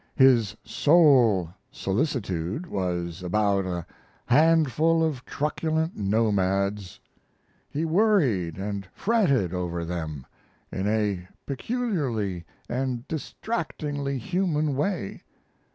His sole solicitude was about a handful of truculent nomads. He worried and fretted over them in a peculiarly and distractingly human way.